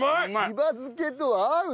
しば漬けと合う！